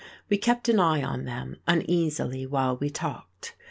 We kept an eye on them, uneasily, while we talked.